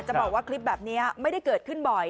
บอกว่าคลิปแบบนี้ไม่ได้เกิดขึ้นบ่อย